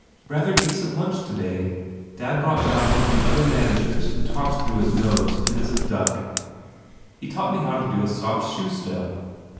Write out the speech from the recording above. Rather decent lunch today. Dad brought down one of the other managers who talks through his nose and is a duck. He taught me how to do a soft shoe step."